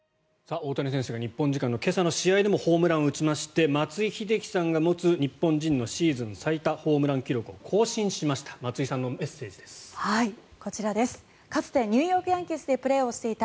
大谷選手が日本時間の今朝の試合でもホームランを打ちまして松井秀喜さんが持つ日本人のシーズン最多ホームラン記録を更新しました。